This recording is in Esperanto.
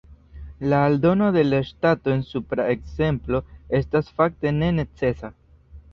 La aldono de la ŝtato en supra ekzemplo estas fakte ne necesa.